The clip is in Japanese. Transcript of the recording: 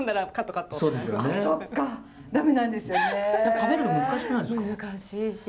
食べるの難しくないですか？